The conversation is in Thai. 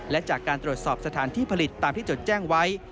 และจากการตรวจสอบสถานที่ผลิตตามที่จดแจ้งไว้